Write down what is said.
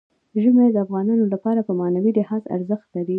ژمی د افغانانو لپاره په معنوي لحاظ ارزښت لري.